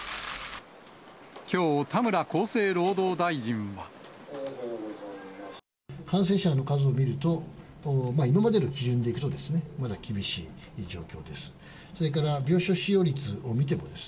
きょう、感染者の数を見ると、今までの基準でいくとですね、まだ厳しいという状況です。